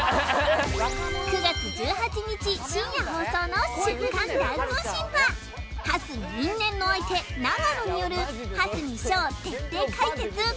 ９月１８日深夜放送の『週刊ダウ通信』は蓮見因縁の相手永野による蓮見翔徹底解説完結編